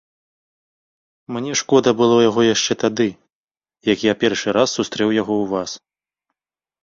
Мне шкода было яго яшчэ тады, як я першы раз сустрэў яго ў вас.